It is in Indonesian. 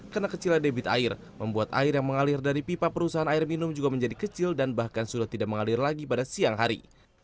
karena kecil air debit air membuat air yang mengalir dari pipa perusahaan air minum juga menjadi kecil dan bahkan sudah tidak mengalir lagi pada siang hari